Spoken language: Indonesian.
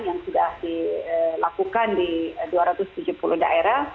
yang sudah dilakukan di dua ratus tujuh puluh daerah